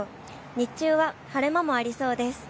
日中は晴れ間もありそうです。